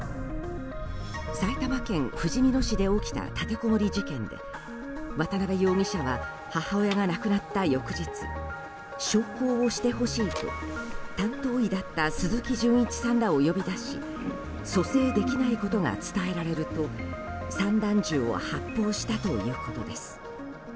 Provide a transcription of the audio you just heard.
埼玉県ふじみ野市で起きた立てこもり事件で渡辺容疑者は母親が亡くなった翌日焼香をしてほしいと担当医だった鈴木純一さんらを呼び出し蘇生できないことが伝えられると散弾銃を発砲したということです。